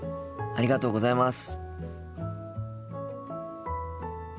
ありがとうございます。